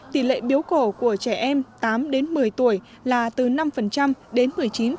tỷ lệ biếu cổ của trẻ em tám đến một mươi tuổi là từ năm đến một mươi chín